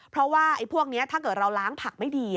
เพราะว่าพวกนี้ถ้าเกิดเราล้างผักไม่ดี